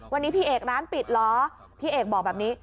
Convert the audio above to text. วันนี้พี่เอกร้านปิดเหรอพี่เอกบอกแบบนี้